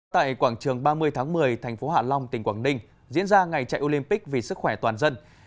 tại quảng trường ba mươi tháng một mươi thành phố hạ long tỉnh quảng ninh diễn ra ngày chạy olympic vì sức khỏe toàn dân